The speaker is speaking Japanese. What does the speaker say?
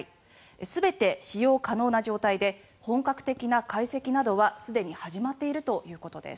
全て使用可能な状態で本格的な解析などはすでに始まっているということです。